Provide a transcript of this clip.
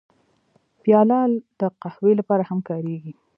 پیاله د قهوې لپاره هم کارېږي.